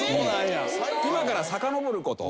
今からさかのぼること